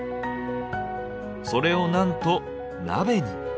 それをなんと鍋に！